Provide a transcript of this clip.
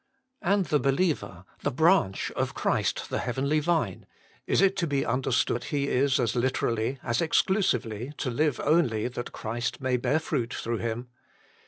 And the believer, the branch of Christ the Heavenly Vine, is it to be understood that he is as literally, as exclusively, to live only that Christ may bear fruit through him